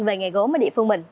về nghề gốm ở địa phương mình